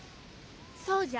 そうじゃ。